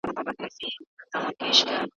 دواړه بنسټونه څنګه ګډ کار کوي؟